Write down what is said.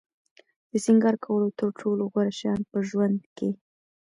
د سینگار کولو تر ټولو غوره شیان په ژوند کې.